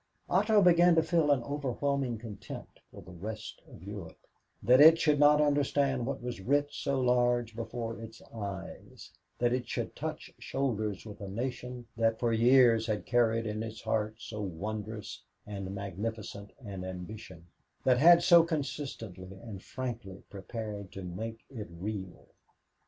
Otto began to feel an overwhelming contempt for the rest of Europe that it should not understand what was writ so large before its eyes, that it should touch shoulders with a nation that for years had carried in its heart so wondrous and magnificent an ambition, that had so consistently and frankly prepared to make it real.